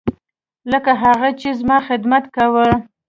لکه هغه چې زما خدمت کاوه.